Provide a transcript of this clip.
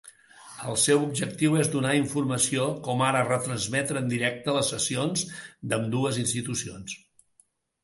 El seu objectiu és donar informació, com ara retransmetre en directe les sessions, d'ambdues institucions.